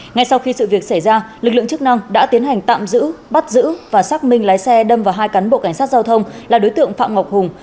ngay sau khi sự việc xảy ra lực lượng chức năng đã tiến hành tạm giữ bắt giữ và xác minh lái xe đâm vào hai cán bộ cảnh sát giao thông là đối tượng phạm ngọc hùng